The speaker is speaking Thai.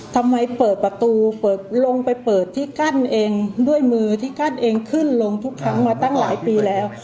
ทำไมเปิดประตูเปิดลงไปเปิดที่กั้นเองด้วยมือที่กั้นเองขึ้นลงทุกครั้งมาตั้งหลายปีแล้ว